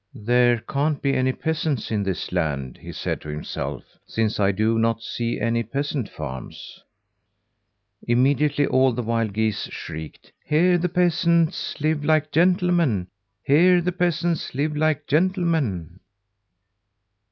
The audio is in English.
"There can't be any peasants in this land," he said to himself, "since I do not see any peasant farms." Immediately all the wild geese shrieked: "Here the peasants live like gentlemen. Here the peasants live like gentlemen."